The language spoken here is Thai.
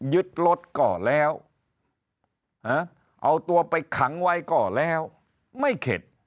ยึดรถก็แล้วเอาตัวไปขังไว้ก็แล้วไม่เข็ด